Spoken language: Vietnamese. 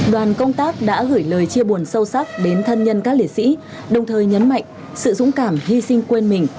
đoàn công tác đã gửi lời chia buồn sâu sắc đến thân nhân các liệt sĩ đồng thời nhấn mạnh sự dũng cảm hy sinh quên mình